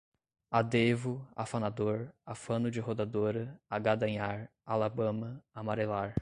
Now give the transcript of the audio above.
adêvo, afanador, afano de rodadora, agadanhar, alabama, amarelar